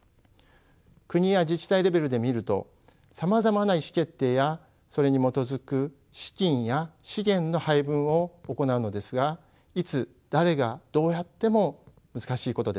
国や自治体レベルで見るとさまざまな意思決定やそれに基づく資金や資源の配分を行うのですがいつ誰がどうやっても難しいことです。